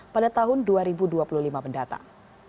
pada tahun dua ribu dua puluh lima mendatang